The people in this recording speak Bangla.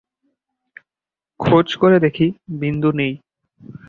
খোঁজ করে দেখি, বিন্দু নেই।